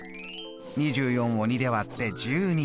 ２４を２で割って１２。